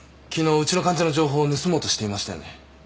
昨日うちの患者の情報を盗もうとしていましたよね。